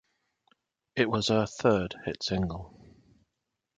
It was her third hit single.